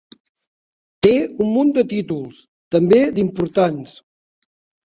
Té un munt de títols, també d'importants.